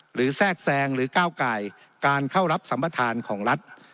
แทรกแซงหรือก้าวไก่การเข้ารับสัมประธานของรัฐ